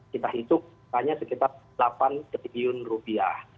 kita hitung hanya sekitar delapan triliun rupiah